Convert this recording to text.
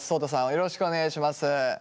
よろしくお願いします。